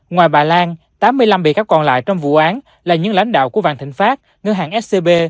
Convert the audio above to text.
ngoài bà lan tám mươi năm bị khắp còn lại trong vụ án là những lãnh đạo của vạn thịnh pháp ngân hàng scb